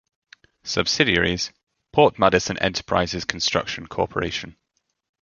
Subsidiaries: Port Madison Enterprises Construction Corporation.